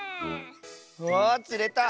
わつれた！